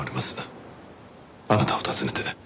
あなたを訪ねて。